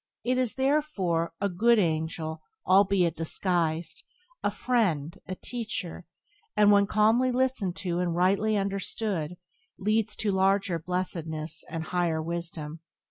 It is, therefore, a good angel, albeit disguised; a friend, a Byways to Blessedness by James Allen 14 teacher; and, when calmly listened to and rightly understood, leads to larger blessedness and higher wisdom.